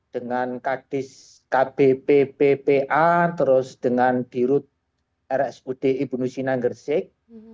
dengan kbp pba terus dengan dirut rsud ibu nusina gresik